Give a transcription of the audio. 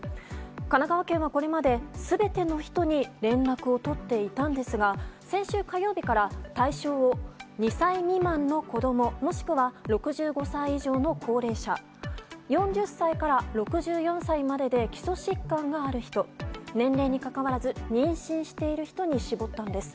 神奈川県は、これまで全ての人に連絡を取っていたんですが先週火曜日から対象を２歳未満の子供もしくは６５歳以上の高齢者４０歳から６４歳までで基礎疾患がある人年齢にかかわらず妊娠している人に絞ったんです。